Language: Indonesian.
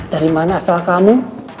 dari mana asal kamu